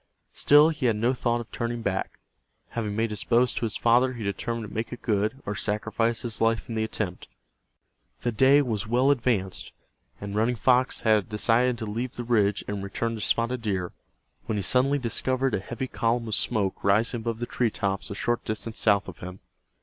Still he had no thought of turning back. Having made his boast to his father he determined to make it good, or sacrifice his life in the attempt. The day was well advanced, and Running Fox had about decided to leave the ridge and return to Spotted Deer, when he suddenly discovered a heavy column of smoke rising above the tree tops a short distance south of him.